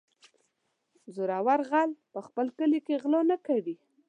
- زورور غل په خپل کلي کې غلا نه کوي.